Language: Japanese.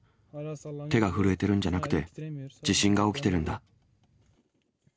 手が震えてるんじゃなくて、地震が起きてるんだ。